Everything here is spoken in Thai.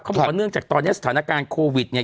บอกว่าเนื่องจากตอนนี้สถานการณ์โควิดเนี่ย